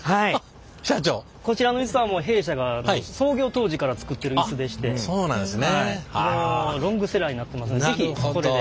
こちらのイスは弊社が創業当時から作ってるイスでしてもうロングセラーになってますんで是非これで。